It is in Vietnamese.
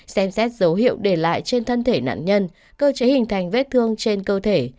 xem xét dấu hiệu để lại trên thân thể nạn nhân cơ chế hình thành vết thương trên cơ thể